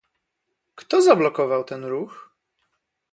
Kto zablokował ten ruch?